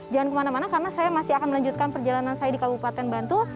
jangan kemana mana karena saya masih akan melanjutkan perjalanan saya di kabupaten bantul